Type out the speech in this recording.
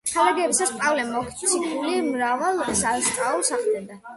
ქადაგებისას, პავლე მოციქული მრავალ სასწაულს ახდენდა.